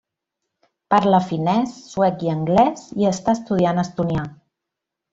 Parla finès, suec i anglès, i està estudiant estonià.